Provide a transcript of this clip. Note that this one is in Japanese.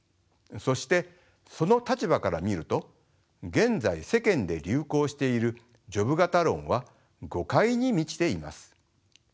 そしてその立場から見ると現在世間で流行しているジョブ型論は誤解に満ちています。